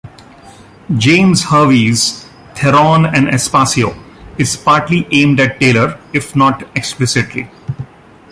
James Hervey's "Theron and Aspasio" is partly aimed at Taylor, if not explicitly.